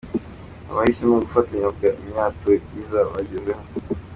Abahisemo gufatanya bavuga imyato ibyiza bagezeho .